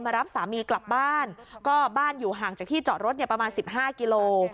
รับสามีกลับบ้านก็บ้านอยู่ห่างจากที่จอดรถเนี่ยประมาณ๑๕กิโล